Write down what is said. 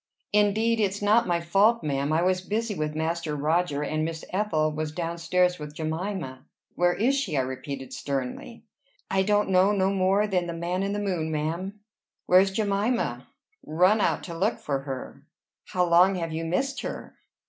"Indeed it's not my fault, ma'am. I was busy with Master Roger, and Miss Ethel was down stairs with Jemima." "Where is she?" I repeated sternly. "I don't know no more than the man in the moon, ma'am." "Where's Jemima?" "Run out to look for her?" "How long have you missed her?"